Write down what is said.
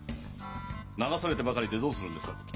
流されてばかりでどうするんですか？